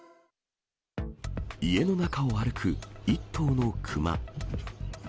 家の中を歩く一頭の熊。